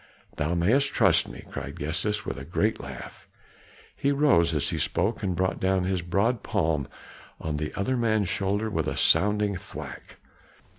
"Thou mayest trust me!" cried Gestas with a great laugh; he rose as he spoke and brought down his broad palm on the other man's shoulder with a sounding thwack.